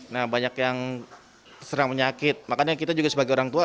nah banyak yang serang menyakit makanya kita juga sebagai orang tua